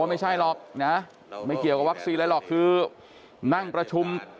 ไม่ใช่หรอกนะไม่เกี่ยวกับวัคซีนอะไรหรอกคือนั่งประชุม